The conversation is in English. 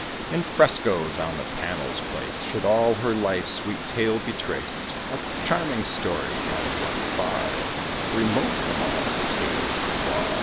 In frescoes, on the panels placed, Should all her life's sweet tale be traced; A charming story, and one far Remote from all the tales of war.